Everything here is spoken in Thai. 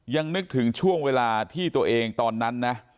นึกถึงช่วงเวลาที่ตัวเองตอนนั้นนะ